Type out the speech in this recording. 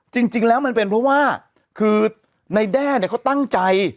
จริงแล้วมันเป็นเพราะว่าคือในแด้เนี่ยเขาตั้งใจ